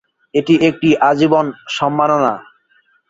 এটি একটি আজীবন সম্মাননা।